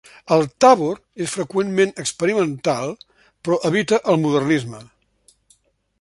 El Tabor és freqüentment experimental però evita el Modernisme.